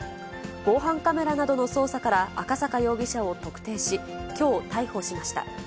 防犯カメラなどの捜査から、赤坂容疑者を特定し、きょう逮捕しました。